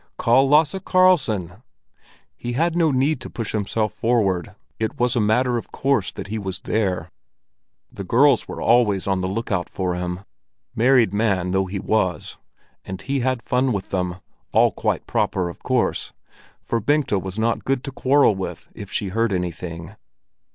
"Call Lasse Karlsson!" He had no need to push himself forward; it was a matter of course that he was there. The girls were always on the look out for him, married man though he was, and he had fun with them—all quite proper, of course, for Bengta was not good to quarrel with if she heard anything.